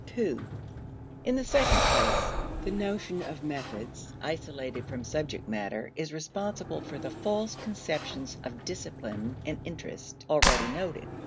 (ii) In the second place, the notion of methods isolated from subject matter is responsible for the false conceptions of discipline and interest already noted.